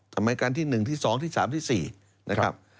ทำไมการที่๑ที่๒ที่๓ที่๔นะครับ